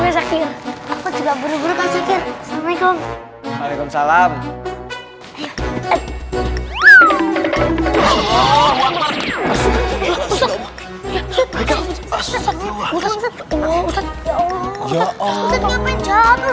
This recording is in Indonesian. ya akhir akhir juga buruk buruk assalamualaikum waalaikumsalam